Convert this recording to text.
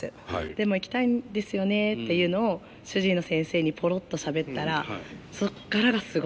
でも行きたいんですよねっていうのを主治医の先生にポロッとしゃべったらそこからがすごくて。